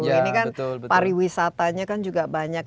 ini kan pariwisatanya kan juga banyak